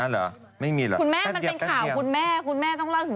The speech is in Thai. อะไหนขอดูคุณมะ